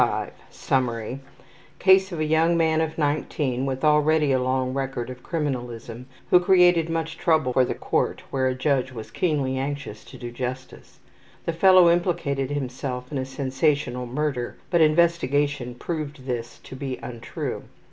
CASE 25 Summary: Case of a young man of 19, with already a long record of criminalism, who created much trouble for a court where a judge was keenly anxious to do justice. The fellow implicated himself in a sensational murder, but investigation proved this to be untrue.